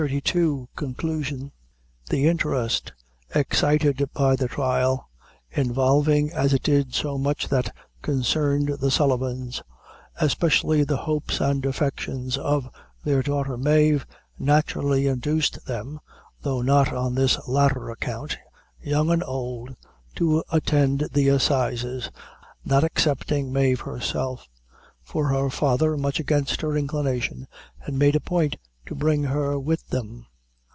Conclusion. The interest excited by the trial, involving as it did so much that concerned the Sullivans, especially the hopes and affections of their daughter Mave, naturally induced them though not on this latter account young and old, to attend the assizes, not excepting Mave herself; for her father, much against her inclination, had made a point to bring her with them.